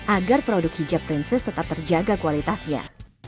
agar produk hijab princess tetap terjaga kualitasnya